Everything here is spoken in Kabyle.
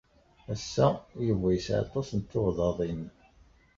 Ass-a, Yuba yesɛa aṭas n tuɣdaḍin.